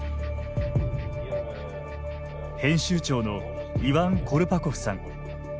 編集長のイワン・コルパコフさん。